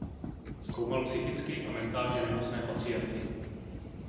Zkoumal psychicky a mentálně nemocné pacienty.